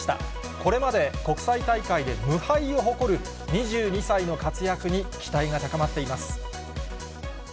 これまで国際大会で無敗を誇る２２歳の活躍に期待が高まっています。